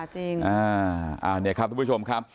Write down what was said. จริงอ่าอันนี้ครับบุคชมครับ